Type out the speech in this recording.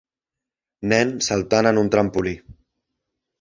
Nen saltant en un trampolí